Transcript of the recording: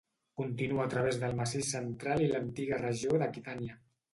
Continua a través del Massís Central i l'antiga regió d'Aquitània.